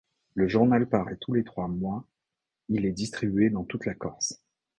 Le journal parait tous les trois mois, il est distribué dans toute la Corse.